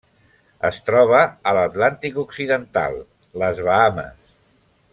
Es troba a l'Atlàntic occidental: les Bahames.